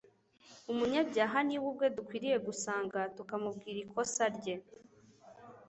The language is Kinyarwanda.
Umunyabyaha ni we ubwe dukwiriye gusanga tukamubwira ikosa rye.